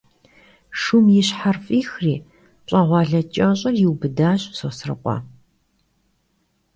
Şşum yi şher f'ixri, pş'eğuale ç'eş'ır yiubıdaş Sosrıkhue.